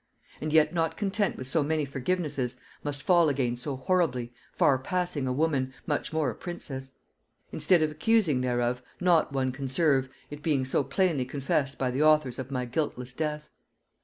And yet, not content with so many forgivenesses, must fall again so horribly, far passing a woman, much more a princess. Instead of excusing thereof, not one can serve, it being so plainly confessed by the authors of my guiltless death.